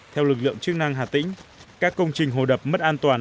theo lực lượng chức năng hà tĩnh các công trình hồ đập mất an toàn